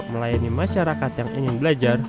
melayani masyarakat yang ingin belajar